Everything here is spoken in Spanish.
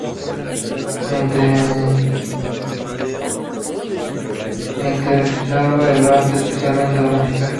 Le interesaba el arte, especialmente la música.